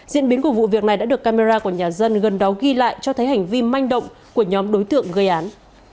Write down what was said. diễn biến của vụ việc này đã được camera của nhà dân gần đó ghi lại cho thấy hành vi manh động của nhóm đối tượng gây án